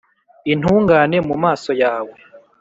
intungane mu maso yawe